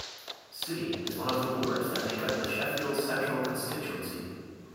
City is one of the wards that make up the Sheffield Central constituency.